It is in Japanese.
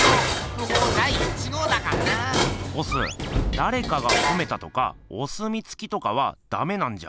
だれかがほめたとかお墨付きとかはダメなんじゃ？